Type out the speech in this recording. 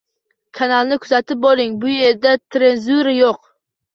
Kanalni kuzatib boring, bu erda tsenzura yo'q